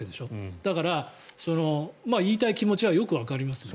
だから、言いたい気持ちはよくわかりますね。